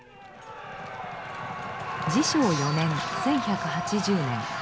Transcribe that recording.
治承４年１１８０年